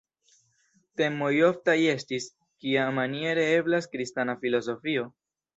Temoj oftaj estis: kiamaniere eblas kristana filozofio?